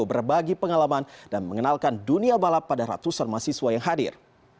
berbagi pengalaman dan mengenalkan dunia balap pada ratusan mahasiswa yang hadir